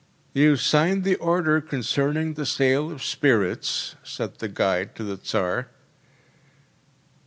“You signed the order concerning the sale of spirits,‚ÄĚ said the guide to the Tsar.